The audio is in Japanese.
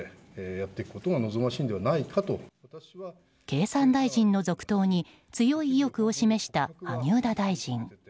経産大臣の続投に強い意欲を示した萩生田大臣。